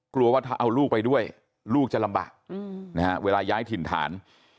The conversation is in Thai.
กลัวว่าถ้าเอาลูกไปด้วยลูกจะลำบากนะฮะเวลาย้ายถิ่นฐาน